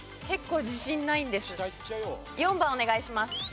結構自信ないんで４番お願いします。